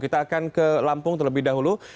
kita akan ke lampung terlebih dahulu